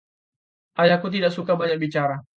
Ayahku tidak suka banyak bicara.